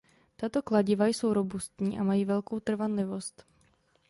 Tato kladiva jsou robustní a mají velkou trvanlivost.